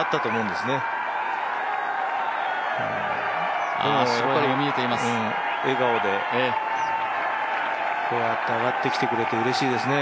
でも、笑顔で、こうやって上がってきてくれてうれしいですね。